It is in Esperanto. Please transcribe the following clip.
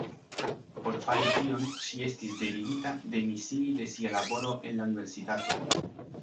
Por fari tion ŝi estis devigita demisii de sia laboro en la universitato.